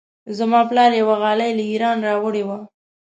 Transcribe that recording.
زما پلار یوه غالۍ له ایران راوړې وه.